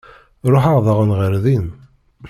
Ruḥeɣ daɣen ɣer din.